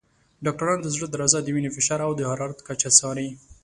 ډاکټران د زړه درزا، د وینې فشار، او د حرارت کچه څاري.